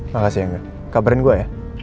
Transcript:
makasih angga kabarin gue ya